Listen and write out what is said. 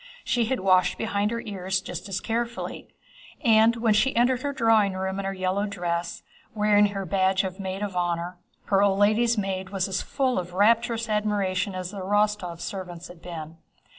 She had washed behind her ears just as carefully, and when she entered her drawing room in her yellow dress, wearing her badge as maid of honor, her old lady's maid was as full of rapturous admiration as the Rostóvs' servants had been.